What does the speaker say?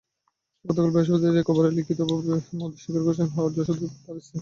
গতকাল বৃহস্পতিবার একেবারে লিখিতভাবেই মোদি স্বীকার করেছেন, হ্যাঁ, যশোদাবেন তাঁর স্ত্রী।